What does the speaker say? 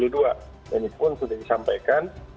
dan itu pun sudah disampaikan